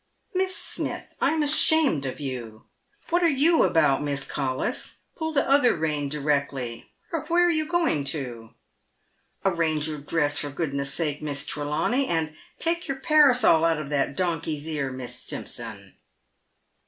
" Miss Smith, I'm ashamed of you ! "What are" you about, Miss Collis ? Pull the other rein directly — where are you going to ? Ar range your dress, for goodness' sake, Miss Trelaw T ny ; and take your parasol out of that donkey's ear, Miss Simpson."